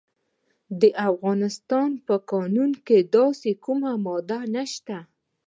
د افغانستان په قانون کې داسې کومه ماده نشته.